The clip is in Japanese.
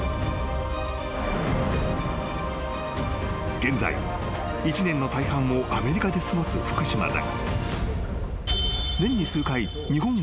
［現在１年の大半をアメリカで過ごす福島だが］